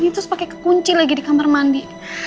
terus pakai kekunci lagi di kamar mandi